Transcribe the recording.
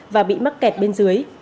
và bị mắc kẹt bên dưới